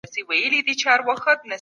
ثابت حق باید ادا سي.